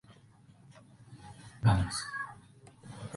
Se refiere a ella como una altiplanicie vacía.